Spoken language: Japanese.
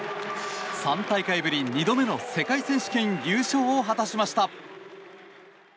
３大会ぶり２度目の世界選手権優勝を果たしました。